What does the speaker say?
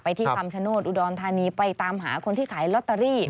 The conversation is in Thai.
ที่คำชโนธอุดรธานีไปตามหาคนที่ขายลอตเตอรี่